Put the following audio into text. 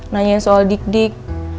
nanyain soal dik dik